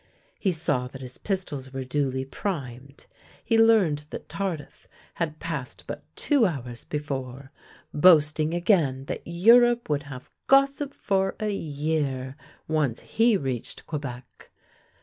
He saw that his pistols were duly primed, he learned that Tardif had passed but two hours before, boasting again that Eu rope would have gossip for a year, once he reached Quebec.